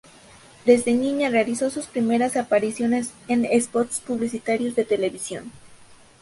Desde niña realizó sus primeras apariciones en spots publicitarios de televisión.